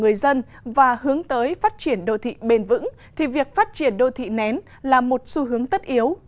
người dân và hướng tới phát triển đô thị bền vững thì việc phát triển đô thị nén là một xu hướng tất yếu